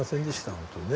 本当にね。